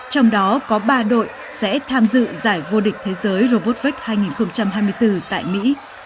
trong đó có ba đội sẽ tham dự giải vô địch thế giới robotvec hai nghìn hai mươi bốn tại mỹ